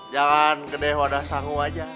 jangan gede wadah sanggu aja